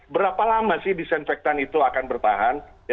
berapa lama sih disinfektan itu akan bertahan